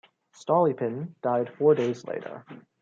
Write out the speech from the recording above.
Stolypin died four days later.